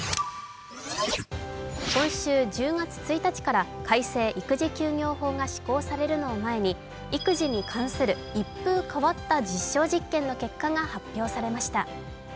今週１０月１日から改正育児休業法が施行されるのを前に、育児に関する一風変わった実証実験の結果が発表されました。